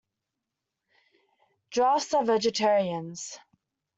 Giraffes are vegetarians.